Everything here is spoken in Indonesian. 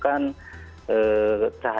biasanya itu membutuhkan